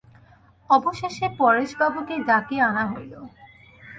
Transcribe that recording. অবশেষে পরেশবাবুকে ডাকিয়া আনা হইল।